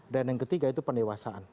dan yang ketiga itu pendewasaan